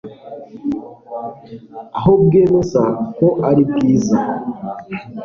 aho bwemeza ko ari bwiza